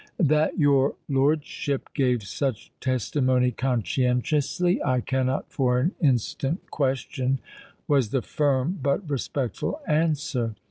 "That your lordship gave such testimony conscientiously, I cannot for an instant question," was the firm but respectful answer.